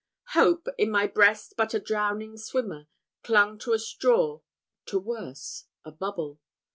Hope, in my breast but a drowning swimmer, clung to a straw to worse a bubble.